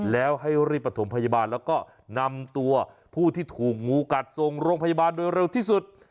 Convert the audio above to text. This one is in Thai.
แล้วให้รีบประถมพยาบาลแล้วก็นำตัวผู้ที่ถูกงูกัดส่งโรงพยาบาลโดยเร็วที่สุด